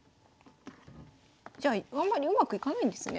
じゃああんまりうまくいかないんですね。